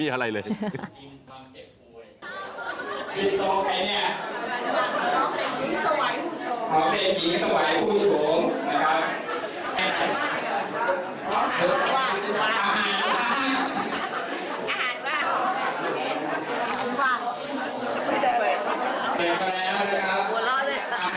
อาหารว่าง